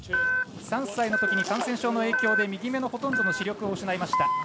３歳のときに、感染症の影響で右目のほとんどの視力を失いました。